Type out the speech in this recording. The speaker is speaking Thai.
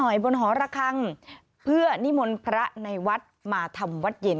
บนหอระคังเพื่อนิมนต์พระในวัดมาทำวัดเย็น